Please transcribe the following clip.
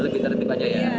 lebih tertib aja ya